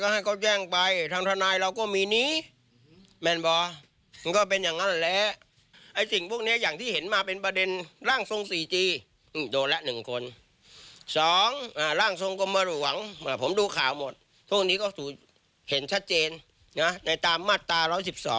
เห็นชัดเจนในตามมาตร๑๑๒